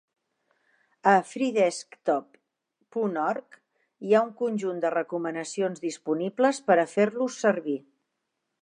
A freedesktop.org. hi ha un conjunt de recomanacions disponibles per a fer-los servir.